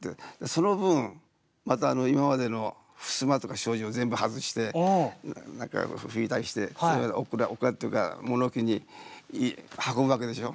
その分また今までのふすまとか障子を全部外して何か拭いたりしてそれをお蔵お蔵っていうか物置に運ぶわけでしょ。